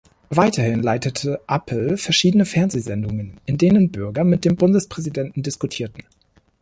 Weiterhin leitete Appel verschiedene Fernsehsendungen, in denen Bürger mit dem Bundespräsidenten diskutierten.